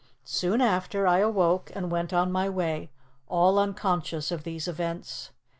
Soon after, I awoke and went on my way, all unconscious of these events.